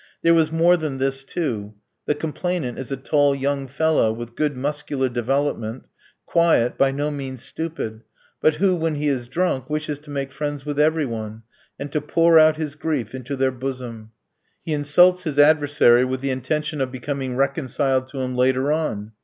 There was more than this too. The complainant is a tall young fellow, with good muscular development, quiet, by no means stupid, but who, when he is drunk, wishes to make friends with every one, and to pour out his grief into their bosom. He insults his adversary with the intention of becoming reconciled to him later on.